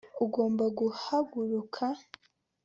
ugomba guhaguruka.